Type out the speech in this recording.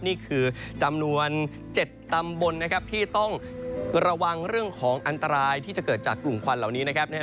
นี่คือจำนวน๗ตำบลนะครับที่ต้องระวังเรื่องของอันตรายที่จะเกิดจากกลุ่มควันเหล่านี้นะครับ